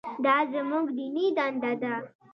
دا زموږ دیني دنده ده.